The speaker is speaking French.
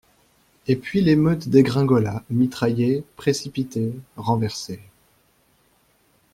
Et puis l'émeute dégringola mitraillée, précipitée, renversée.